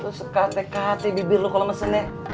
lu sekate kate bibir lu kalo mesennya